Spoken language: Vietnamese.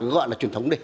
gọi là truyền thống đi